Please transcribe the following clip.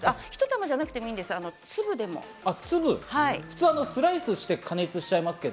１玉じゃなくてもいいんです、普通スライスして加熱しますね。